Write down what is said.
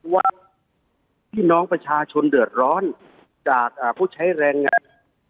ว่าพี่น้องประชาชนเดือดร้อนจากผู้ใช้แรงงาน